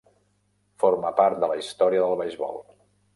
Forma part de la història del beisbol.